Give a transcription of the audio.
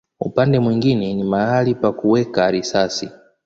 Upande mwingine ni mahali pa kuweka risasi.